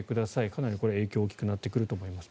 かなり影響が大きくなってくると思います。